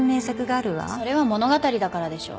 それは物語だからでしょ。